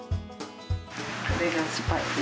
これがスパイクね。